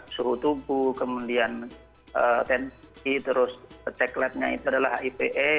suhu tubuh kemudian tensi terus cek labnya itu adalah hipe